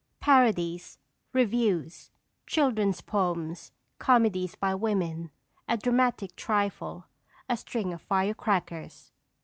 PARODIES REVIEWS CHILDREN'S POEMS COMEDIES BY WOMEN A DRAMATIC TRIFLE A STRING OF FIRECRACKERS.